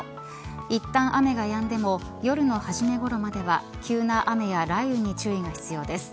いったん、雨がやんでも夜の初めごろまでは急な雨や雷雨に注意が必要です。